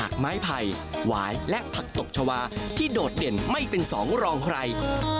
ไม้ไผ่หวายและผักตบชาวาที่โดดเด่นไม่เป็นสองรองใคร